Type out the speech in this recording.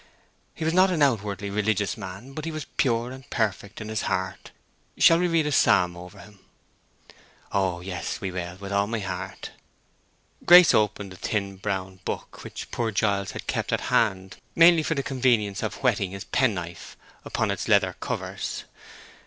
He was not an outwardly religious man, but he was pure and perfect in his heart. Shall we read a psalm over him?" "Oh yes—we will—with all my heart!" Grace opened the thin brown book, which poor Giles had kept at hand mainly for the convenience of whetting his pen knife upon its leather covers.